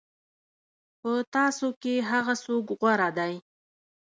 په تاسو کې هغه څوک غوره دی.